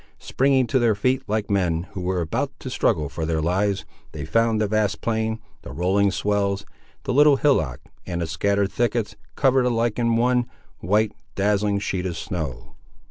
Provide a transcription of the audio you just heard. Springing to their feet, like men, who were about to struggle for their lives, they found the vast plain, the rolling swells, the little hillock, and the scattered thickets, covered alike in one, white, dazzling sheet of snow.